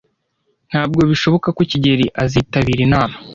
Ntabwo bishoboka ko kigeli azitabira inama.